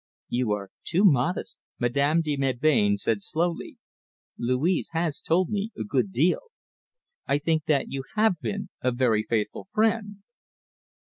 "You are too modest," Madame de Melbain said slowly. "Louise has told me a good deal. I think that you have been a very faithful friend."